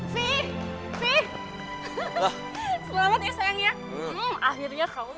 tapi aku bisa lulus dalam waktu tiga tahun